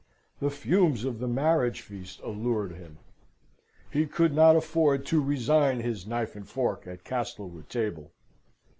The fumes of the marriage feast allured him: he could not afford to resign his knife and fork at Castlewood table.